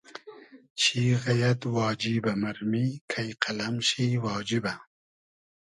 چی غئیئد واجیبۂ مئرمی کݷ قئلئم شی واجیبۂ